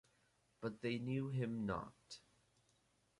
But they knew Him not.